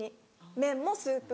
麺もスープも。